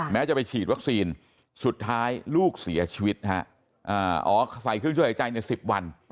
จะไปฉีดวัคซีนสุดท้ายลูกเสียชีวิตอ๋อใส่เครื่องช่วยหายใจใน๑๐วัน